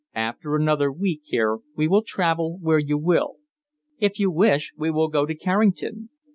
"After another week here we will travel where you will. If you wish, we will go to Carrington.